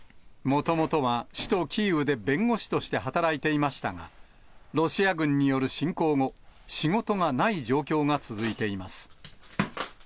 もともとは首都キーウで弁護士として働いていましたが、ロシア軍による侵攻後、仕事がない状況が続いています。